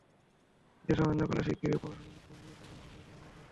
নির্দেশ অমান্য করলে শিগগিরই প্রশাসনের লোকজন নিয়ে সেখানে অভিযান চালানো হবে।